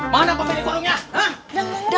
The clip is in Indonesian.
mana pemilik warungnya